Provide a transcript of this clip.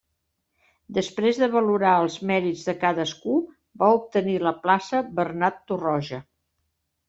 Després de valorar els mèrits de cadascú, va obtenir la plaça Bernat Torroja.